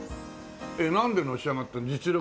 えっなんでのし上がった実力？